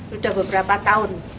sudah beberapa tahun